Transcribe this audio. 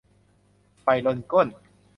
ไฟลนก้น